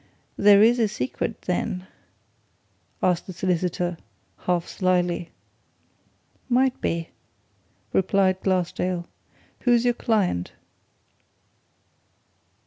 "There is a secret, then!" asked the solicitor, half slyly. "Might be," replied Glassdale. "Who's your client?"